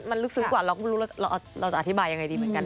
มันลึกซึ้งกว่าเราก็ไม่รู้แล้วเราจะอธิบายยังไงดีเหมือนกัน